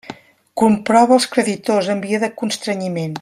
Comprova els creditors en via de constrenyiment.